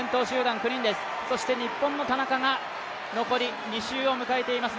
そして、日本の田中が残り２周を迎えています。